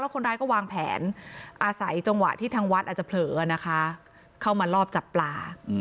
คนร้ายก็วางแผนอาศัยจังหวะที่ทางวัดอาจจะเผลอนะคะเข้ามาลอบจับปลา